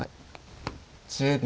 １０秒。